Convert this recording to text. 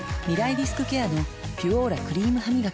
リスクケアの「ピュオーラ」クリームハミガキ